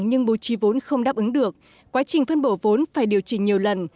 nhưng bố trí vốn không đáp ứng được quá trình phân bổ vốn phải điều chỉnh nhiều lần